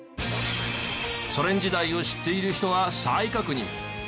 ソ連時代を知っている人は再確認。